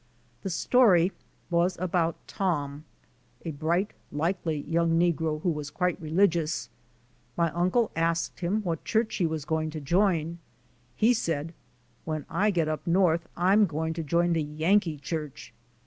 The story was about Tom, a bright, likely young negro who was quite religious. My uncle asked him what church he was going to join. He said: *^When I get up North I'm gwine to join the Yankee church.